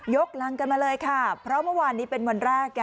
กำลังกันมาเลยค่ะเพราะเมื่อวานนี้เป็นวันแรก